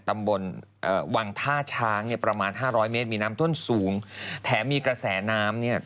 ตำบลวางท่าช้างประมาณ๕๐๐เมตรมีน้ำท่วนสูงแถมมีกระแสน้ำเนี่ย